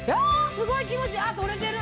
すごい気持ちいいあっ取れてる！